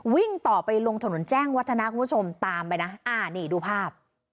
วิ่งต่อไปลงถนนแจ้งวัฒนะคุณผู้ชมตามไปนะอ่านี่ดูภาพ